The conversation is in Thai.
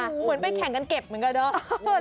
เหมือนไปแข่งกันเก็บเหมือนกันเนอะ